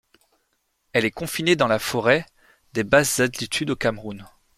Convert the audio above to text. Elle est confinée dans la forêt des basse altitude au Cameroun.